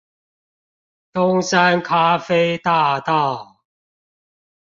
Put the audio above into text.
東山咖啡大道